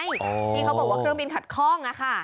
ที่เขาบอกว่าเครื่องบินขัดคล่อง